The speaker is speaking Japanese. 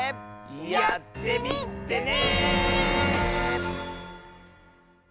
やってみてね！